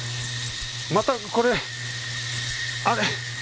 またこれあれ？